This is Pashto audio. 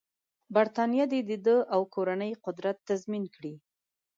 برټانیه دې د ده او کورنۍ قدرت تضمین کړي.